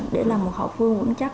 để làm một hậu phương vững chắc